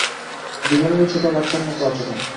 দুজনেরই ছোট বাচ্চার মত আচরণ।